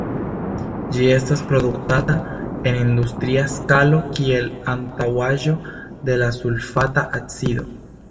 Ĝi estas produktata en industria skalo kiel antaŭaĵo de la sulfata acido.